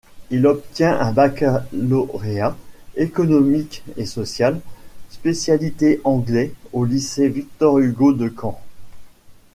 Il obtient un baccalauréat économique et social, spécialité anglais au lycée Victor-Hugo de Caen.